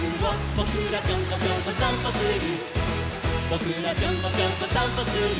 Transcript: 「ぼくらぴょんこぴょんこさんぽする」